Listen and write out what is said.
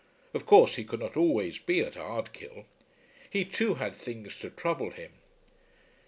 Of course he could not always be at Ardkill. He too had things to trouble him.